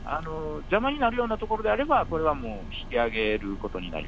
邪魔になるような所であれば、これはもう引き揚げることになり